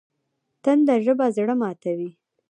تنده ژبه زړه ماتوي